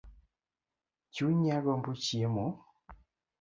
Chunya gombo chiemo